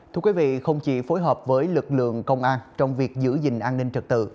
thưa quý vị không chỉ phối hợp với lực lượng công an trong việc giữ gìn an ninh trật tự